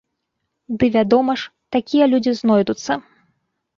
Ды вядома ж, такія людзі знойдуцца!